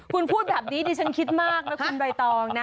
คุณพูดแบบนี้ดิฉันคิดมากนะคุณใบตองนะ